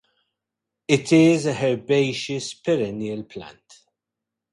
It is a herbaceous perennial plant.